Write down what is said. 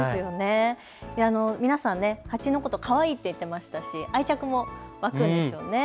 皆さん、ハチのことかわいいって言っていましたし愛着も湧くんでしょうね。